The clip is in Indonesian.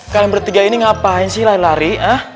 kalian bertiga ini ngapain sih lari lari